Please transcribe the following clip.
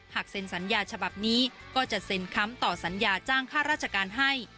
เซ็นสัญญาฉบับนี้ก็จะเซ็นค้ำต่อสัญญาจ้างค่าราชการให้